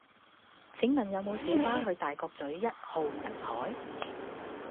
請問有無小巴去大角嘴一號銀海